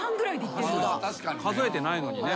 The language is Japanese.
数えてないのにね